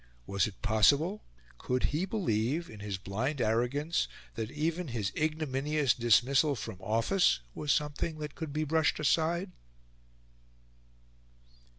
Was it possible? Could he believe, in his blind arrogance, that even his ignominious dismissal from office was something that could be brushed aside?